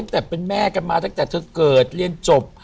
ตั้งแต่เธอเกิดเรียนจบ